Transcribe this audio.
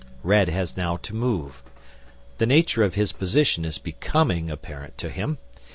Red has now to move. The nature of his position is becoming apparent to him.